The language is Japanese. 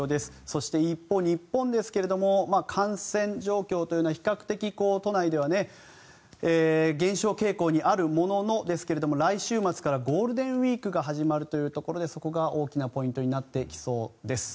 そして一方、日本ですが感染状況というのは比較的、都内では減少傾向にあるもののですけれど来週末からゴールデンウィークが始まるというところでそこが大きなポイントになってきそうです。